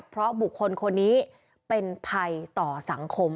เพราะบุคคลคนนี้เป็นภัยต่อสังคม